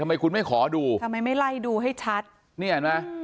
ทำไมคุณไม่ขอดูทำไมไม่ไล่ดูให้ชัดนี่เห็นไหม